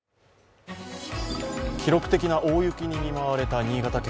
記録的な大雪に見舞われた新潟県。